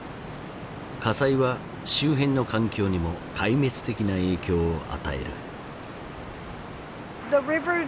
火災は周辺の環境にも壊滅的な影響を与える。